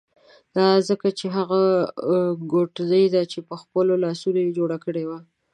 دا ځکه چې هغه کوټنۍ ده چې په خپلو لاسو یې جوړه کړې وه.